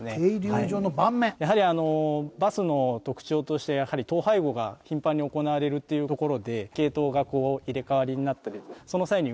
やはりあのバスの特徴としてやはり統廃合が頻繁に行われるっていうところで系統が入れ替わりになったりその際に生まれる廃品。